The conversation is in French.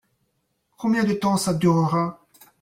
Combien de temps ça durera ?